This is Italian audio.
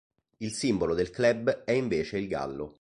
Il simbolo del club è invece il gallo.